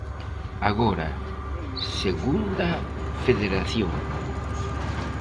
Agora, Segunda Federación.